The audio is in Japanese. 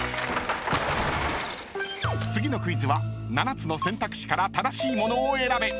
［次のクイズは７つの選択肢から正しいものを選べ］